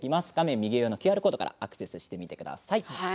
右上のＱＲコードからアクセスしてみてください。